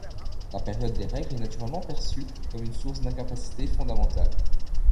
La période des règles est naturellement perçue comme une source d'incapacité fondamentale.